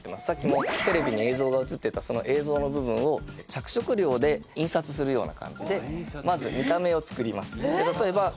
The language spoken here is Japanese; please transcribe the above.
さっきもテレビに映像が写ってたその映像の部分を着色料で印刷するような感じでまず見た目を作りますえっ！？